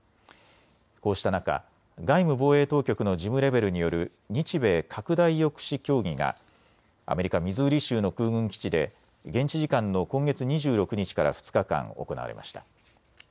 こうした中、外務・防衛当局の事務レベルによる日米拡大抑止協議がアメリカ・ミズーリ州の空軍基地で現地時間の今月２６日から２日間、行われました。